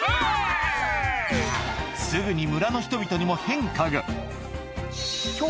すぐに村の人々にも変化が。